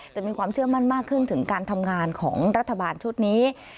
จะมีความเชื่อมั่นมากขึ้นถึงการทำงานของรัฐบาลชุดนี้